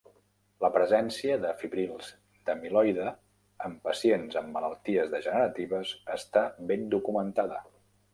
La presència de fibrils d'amiloide en pacients amb malalties degeneratives està ben documentada.